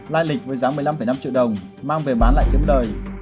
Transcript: lai lịch với giá một mươi năm năm triệu đồng mang về bán lại kiếm lời